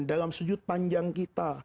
dalam sujud panjang kita